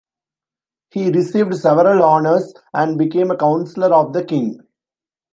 He received several honours and became a counselor of the king.